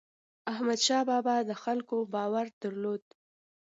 احمدشاه بابا د خلکو باور درلود.